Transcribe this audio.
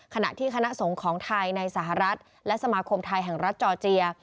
ขณะที่คณะสงฆ์ของไทยในสหรัฐและสมาคมไทยแห่งรัฐจอร์เจีย